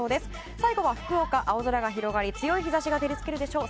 最後は福岡、青空が広がり強い日差しが照り付けるでしょう。